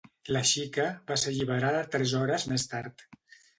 La xica va ser alliberada tres hores més tard.